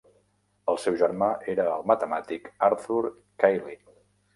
El seu germà era el matemàtic Arthur Cayley.